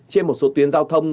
trên một số tuyến giao thông